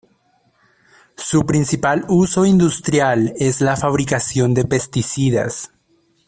Su principal uso industrial es la fabricación de pesticidas.